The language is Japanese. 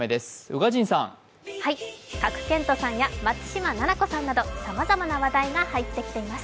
賀来賢人さんや松嶋菜々子さんなどさまざまな話題が入ってきています。